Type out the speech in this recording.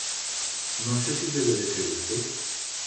No sé si debe de ser usté.